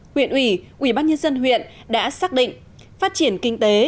huyện ủy ủy ban nhân dân huyện đã xác định phát triển kinh tế